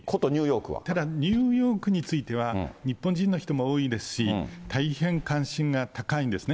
ただニューヨークについては、日本人の人も多いですし、大変関心が高いんですね。